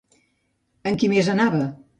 Amb qui més anava?